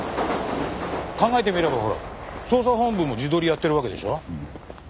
考えてみればほら捜査本部も地取りやってるわけでしょ？